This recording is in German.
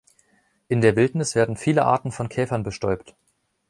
In der Wildnis werden viele Arten von Käfern bestäubt.